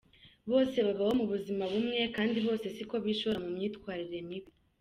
Bose babaho mu buzima bumwe kandi bose siko bishora mu myitwarire mibi.